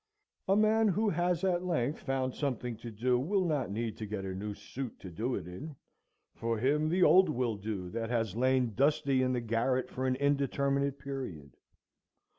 A man who has at length found something to do will not need to get a new suit to do it in; for him the old will do, that has lain dusty in the garret for an indeterminate period.